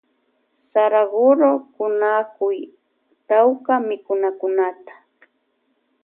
Saraguro kunakuy tawka mikunakunata.